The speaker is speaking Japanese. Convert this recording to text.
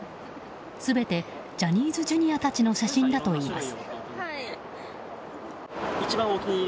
全てジャニーズＪｒ．たちの写真だといいます。